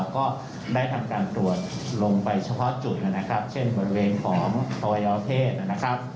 ก็ได้ทำการตรวจลงไปเฉพาะจุดนะครับเช่นบริเวณของอวัยวเพศนะครับ